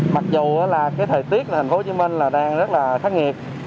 mặc dù là cái thời tiết là thành phố hồ chí minh là đang rất là khắc nghiệt